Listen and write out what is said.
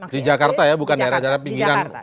di jakarta ya bukan daerah daerah pinggiran